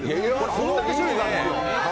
これだけ種類があるんです。